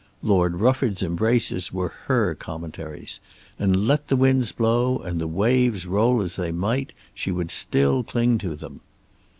Lord Rufford's embraces were her Commentaries, and let the winds blow and the waves roll as they might she would still cling to them.